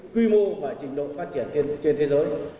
quy mô và trình độ phát triển trên thế giới